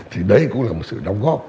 thì đấy cũng là một sự đóng góp